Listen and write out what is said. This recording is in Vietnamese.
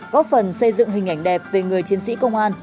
góp phần xây dựng hình ảnh đẹp về người chiến sĩ công an